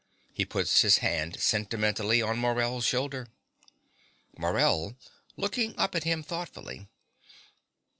(He puts his hand sentimentally on Morell's shoulder.) MORELL (looking up at him thoughtfully).